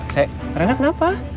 sayang rena kenapa